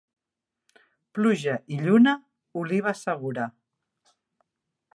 Pluja i lluna, oliva segura.